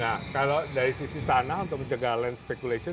nah kalau dari sisi tanah untuk mencegah land spekulation